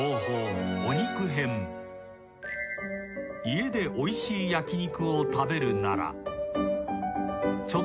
［家でおいしい焼き肉を食べるなら］